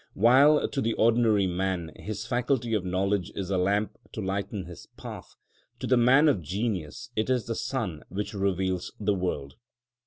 While to the ordinary man his faculty of knowledge is a lamp to lighten his path, to the man of genius it is the sun which reveals the world.